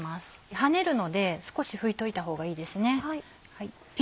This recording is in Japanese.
跳ねるので少し拭いておいたほうがいいですね。